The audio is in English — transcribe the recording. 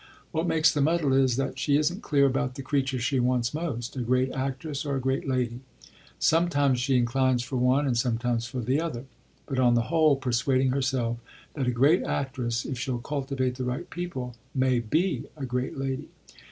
What makes the muddle is that she isn't clear about the creature she wants most. A great actress or a great lady sometimes she inclines for one and sometimes for the other, but on the whole persuading herself that a great actress, if she'll cultivate the right people, may be a great lady.